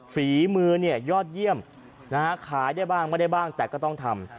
ฝีมือเนี่ยยอดเยี่ยมขายได้บ้างไม่ได้บ้างแต่ก็ต้องทำ